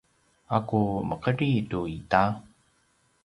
’aku mekedri tu ita?